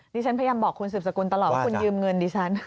ฉันพยายามบอกคุณสืบสกุลตลอดว่าคุณยืมเงินดิฉัน